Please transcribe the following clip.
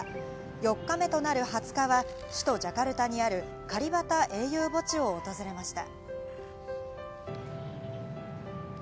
４日目となる２０日は首都ジャカルタにあるカリバタ英雄墓地を訪れました。